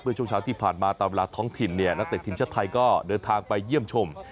ช่วงเช้าที่ผ่านมาตามเวลาท้องถิ่นเนี่ยนักเตะทีมชาติไทยก็เดินทางไปเยี่ยมชม